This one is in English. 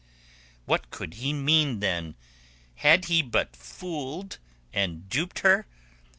What could he mean, then? Had he but fooled and duped her?